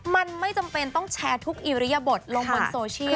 มันไม่จำเป็นต้องแชร์ทุกอิริยบทลงบนโซเชียล